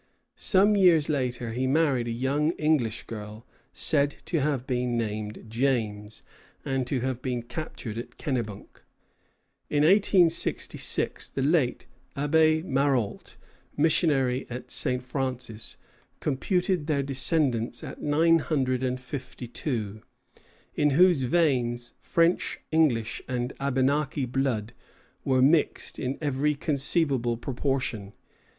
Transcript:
Some years later he married a young English girl, said to have been named James, and to have been captured at Kennebunk. In 1866 the late Abbé Maurault, missionary at St. Francis, computed their descendants at nine hundred and fifty two, in whose veins French, English, and Abenaki blood were mixed in every conceivable proportion.